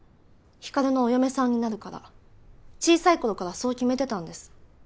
光琉のお嫁さんになるから小さい頃からそう決めてたんです